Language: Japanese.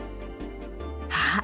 あっ！